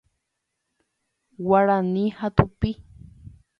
Guarani ha tupi.